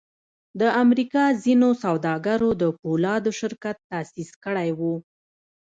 د امریکا ځینو سوداګرو د پولادو شرکت تاسیس کړی و